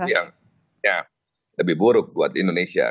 yang lebih buruk buat indonesia